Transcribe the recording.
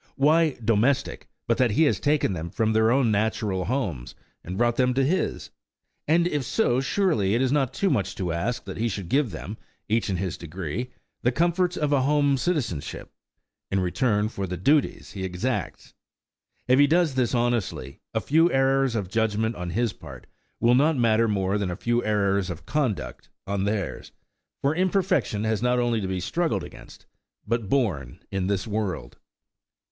Why "domestic," but that he has taken them from their own natural homes, and brought them to his? And if so, surely it is not too much to ask that he should give them, each in his degree, the comforts of a home citizenship, in return for the duties he exacts. If he does this honestly, a few errors of judgment on his part will not matter more than a few errors of conduct on theirs; for imperfection has not only to be struggled against, but borne in this world.